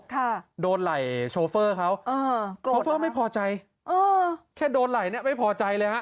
ค่ะโดนไหล่โชเฟอร์เขาเออโชเฟอร์ไม่พอใจเออแค่โดนไหล่เนี้ยไม่พอใจเลยฮะ